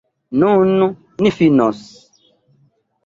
Nun ni finos.